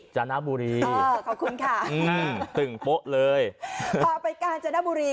จ้าน้าบุรีอ่อขอบคุณค่ะอื้อตึ่งป๊ะเลยพาไปกาแนะจ้าน้าบุรี